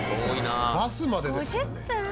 バスまでですよね？